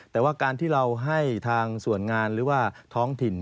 แต่ว่าการที่เราให้ทางส่วนงานหรือว่าท้องถิ่น